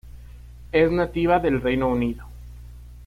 Es nativa del Reino Unido.